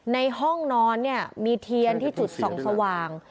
ในห้องนอนเนี่ยมีเทียนที่จุดส่องสว่าง